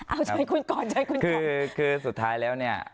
เอาเจ้าคุณก่อนจนคือสุดท้ายเล่วเนี่ย